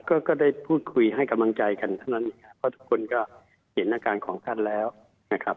ก็ก็ได้พูดคุยให้กำลังใจกันเท่านั้นเพราะทุกคนก็เห็นอาการของท่านแล้วนะครับ